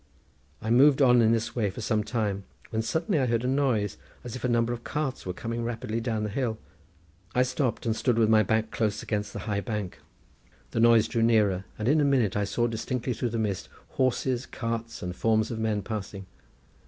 I moved on in this way for some time, when suddenly I heard a noise, as if a number of carts were coming rapidly down the hill. I stopped, and stood with my back close against the high bank. The noise drew nearer, and in a minute I saw indistinctly through the mist, horses, carts, and forms of men passing.